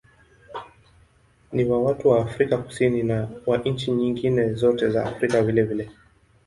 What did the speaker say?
Ni wa watu wa Afrika Kusini na wa nchi nyingine zote za Afrika vilevile.